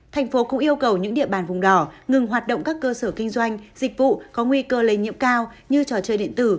thành phố cũng yêu cầu những địa bàn vùng đỏ ngừng hoạt động các cơ sở kinh doanh dịch vụ có nguy cơ lây nhiễm cao như trò chơi điện tử